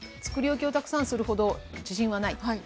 作り置きをたくさんするほど自信はない。